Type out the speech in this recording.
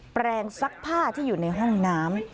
แปลงซักผ้าที่อยู่ในห้องน้ำ